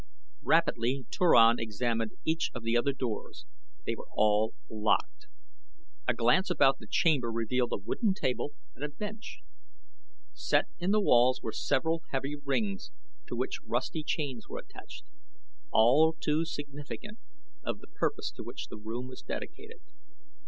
Rapidly Turan examined each of the other doors. They were all locked. A glance about the chamber revealed a wooden table and a bench. Set in the walls were several heavy rings to which rusty chains were attached all too significant of the purpose to which the room was dedicated.